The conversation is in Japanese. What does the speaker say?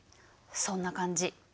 そんな感じ。